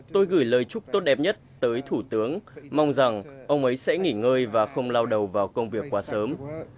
tôi gửi lời chúc tốt đẹp nhất tới thủ tướng mong rằng ông ấy sẽ nghỉ ngơi và không lao đầu vào công việc quá sớm